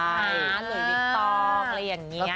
หลุยวิกตองอะไรอย่างนี้นะคะ